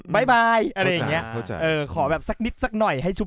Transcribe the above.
บ๊ายบายอะไรอย่างเงี้ยโทษจ๋าเออเออขอแบบสักหนิดสักหน่อยให้ชุด